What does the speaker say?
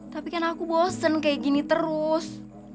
tapi kan aku bosen kayak gini terus